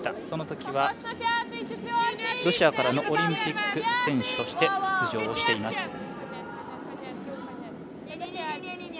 そのときはロシアからのオリンピック選手として出場しています。